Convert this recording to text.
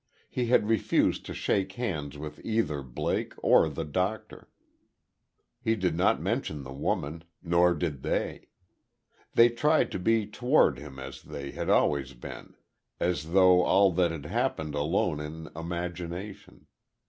He had refused to shake hands with either Blake, or the doctor. He did not mention the woman; nor did they. They tried to be toward him as they had always been as though all that had happened alone in imagination....